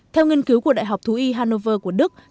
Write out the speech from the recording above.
theo nghiên cứu của đại học thú y hannover của đức